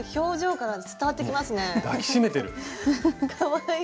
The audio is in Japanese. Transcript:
かわいい。